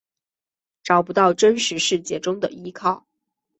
找不到真实世界中的依靠